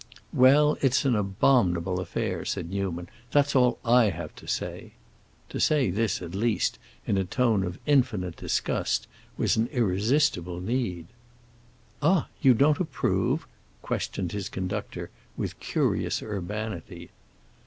"Well, it's an abominable affair!" said Newman. "That's all I have to say!" To say this, at least, in a tone of infinite disgust was an irresistible need. "Ah, you don't approve?" questioned his conductor, with curious urbanity.